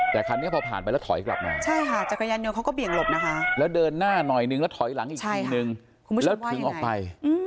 แต่คันนี้พอผ่านไปแล้วถอยกลับมาใช่ค่ะจักรยานยนต์เขาก็เบี่ยงหลบนะคะแล้วเดินหน้าหน่อยนึงแล้วถอยหลังอีกทีนึงแล้วถึงออกไป